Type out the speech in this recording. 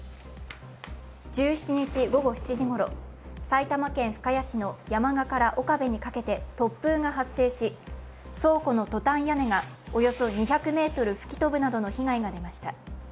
１７日午後７時ごろ、埼玉県深谷市の山河から岡部にかけて突風が発生し、倉庫のトタン屋根がおよそ２００ｍ吹き飛ぶなどの被害が出ました。